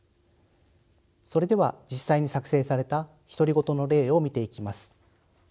それでは実際に作成された独り言の例を見ていきます。